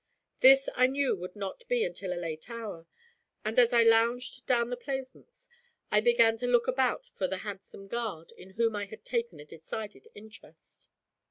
This I knew would not be until a late hour, and as I lounged down the Plaisance I began to look about for the handsome guard, in whom I had taken a decided interest.